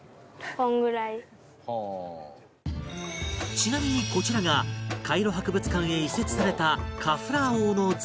ちなみにこちらがカイロ博物館へ移設されたカフラー王の像